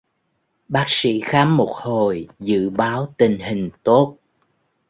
Bác sĩ khám một hồi dự báo tình hình tốt